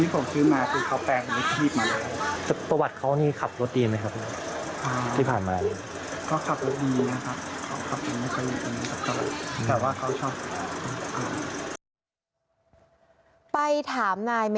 ไปถามนายเมดิเนี่ย